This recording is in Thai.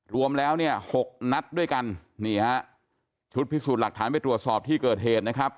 รวมแล้วเนี่ยหกนัดด้วยกันนี่ฮะชุดพิสูจน์หลักฐานไปตรวจสอบที่เกิดเหตุนะครับ